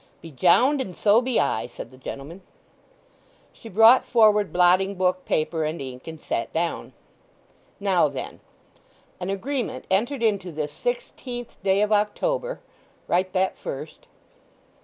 "Be jowned, and so be I," said the gentleman. She brought forward blotting book, paper, and ink, and sat down. "Now then—'An agreement entered into this sixteenth day of October'—write that first."